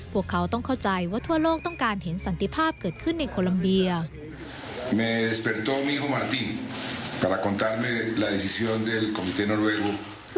พวกเขาต้องเข้าใจว่าทั่วโลกต้องการเห็นสันติภาพเกิดขึ้นในโคลัมเบีย